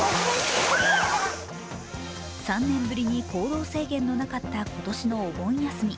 ３年ぶりに行動制限のなかった今年のお盆休み。